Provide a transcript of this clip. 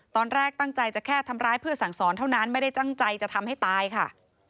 ตอนแรกตั้งใจจะแค่ทำร้ายเพื่อสั่งสอนเท่านั้นไม่ได้ตั้งใจจะทำให้ตายค่ะ